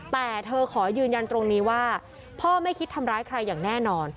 แต่เธอขอยืนยันตรงนี้ว่าพ่อไม่คิดทำร้ายใครอย่างแน่นอน